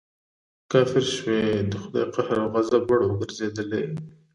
کافر شوې د خدای د قهر او غضب وړ وګرځېدې.